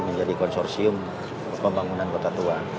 menjadi konsorsium pembangunan kota tua